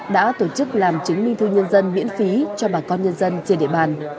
đã tổ chức làm chứng minh thư nhân dân miễn phí cho bà con nhân dân trên địa bàn